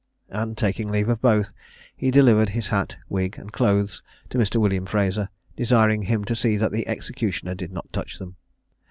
And, taking leave of both, he delivered his hat, wig, and clothes, to Mr. William Fraser, desiring him to see that the executioner did not touch them.